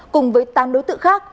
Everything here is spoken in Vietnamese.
cùng với tám đối tượng khác